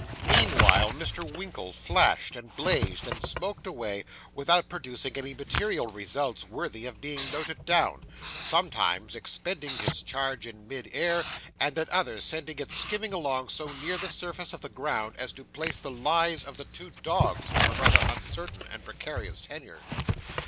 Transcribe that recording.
Meanwhile, Mr. Winkle flashed, and blazed, and smoked away, without producing any material results worthy of being noted down; sometimes expending his charge in mid air, and at others sending it skimming along so near the surface of the ground as to place the lives of the two dogs on a rather uncertain and precarious tenure.